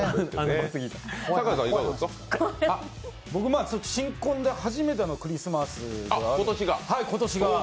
僕、新婚で初めてのクリスマスで、今年が。